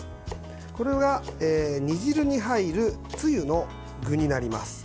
これが煮汁に入るつゆの具になります。